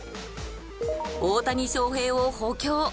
「大谷翔平を補強」。